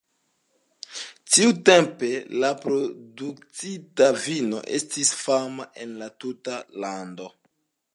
Tiutempe la produktita vino estis fama en la tuta lando.